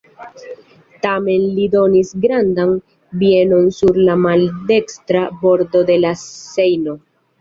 Tamen li donis grandan bienon sur la maldekstra bordo de la Sejno.